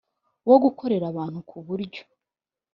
wo gukorera abantu ku buryo